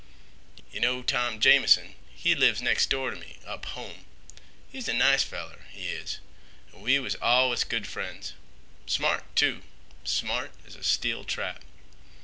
"Yeh know Tom Jamison, he lives next door t' me up home. He's a nice feller, he is, an' we was allus good friends. Smart, too. Smart as a steel trap.